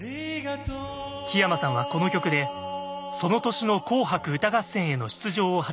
木山さんはこの曲でその年の「紅白歌合戦」への出場を果たしました。